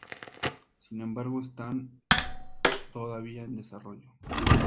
Sin embargo, están todavía en desarrollo.